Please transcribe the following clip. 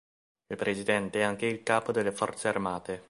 Il presidente è anche il Capo delle Forze Armate.